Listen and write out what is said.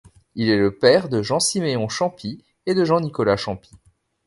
Il est le père de Jean-Siméon Champy et de Jean-Nicolas Champy.